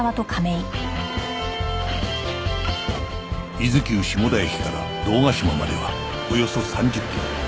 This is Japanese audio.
伊豆急下田駅から堂ヶ島まではおよそ３０キロ